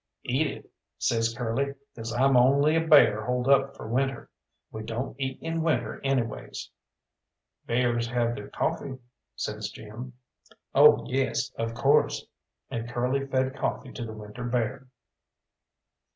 "Eat it," says Curly, "'cause I'm only a bear holed up for winter. We don't eat in winter anyways." "Bears have their coffee," says Jim. "Oh yes, of course," and Curly fed coffee to the winter bear.